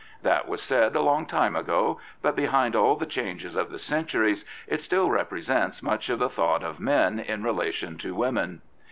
That was said a long time ago ; but behind all the changes of the centuries, it still represents much of the thought of men in relation to women.